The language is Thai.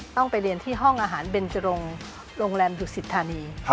ต้องไปเรียนที่ห้องอาหารเบนจรงโรงแรมดุสิทธานี